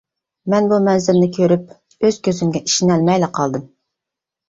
مەن بۇ مەنزىرىنى كۆرۈپ ئۆز كۆزۈمگە ئىشىنەلمەيلا قالدى.